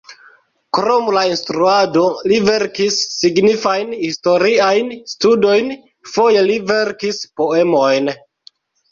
Krom la instruado li verkis signifajn historiajn studojn, foje li verkis poemojn.